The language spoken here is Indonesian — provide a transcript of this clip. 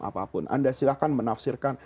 apapun anda silahkan menafsirkan